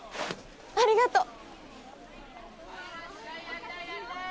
ありがとう！